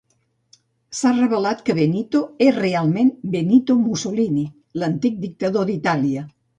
S'ha revelat que Benito és realment Benito Mussolini, l'antic dictador d'Itàlia.